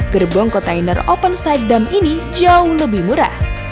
gerbong kontainer open side dam ini jauh lebih murah